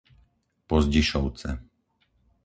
Pozdišovce